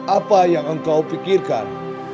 apa yang engkau pikirkan